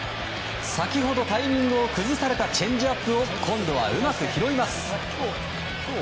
先ほど、タイミングを崩されたチェンジアップを今度はうまく拾います。